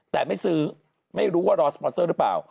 แต่ไม่ซื้อไม่รู้ว่ารอสปอนเซอร์หรือเปล่า